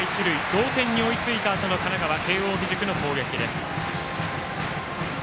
同点に追いついたあとの神奈川・慶応義塾の攻撃です。